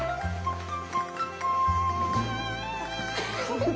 フフフ。